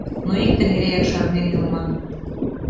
Но иктым эреак шарнен илыман: